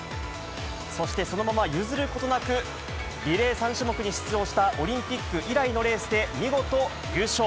そしてそのまま譲ることなく、リレー３種目に出場したオリンピック以来のレースで、見事優勝。